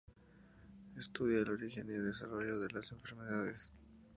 Estudia el origen y desarrollo de las enfermedades.